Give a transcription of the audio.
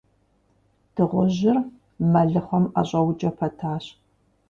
Дыгъужьыр мэлыхъуэм ӀэщӀэукӀэ пэтащ.